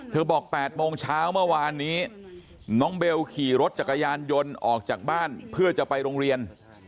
บอก๘โมงเช้าเมื่อวานนี้น้องเบลขี่รถจักรยานยนต์ออกจากบ้านเพื่อจะไปโรงเรียน